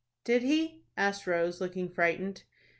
"Did he?" asked Rose, looking frightened.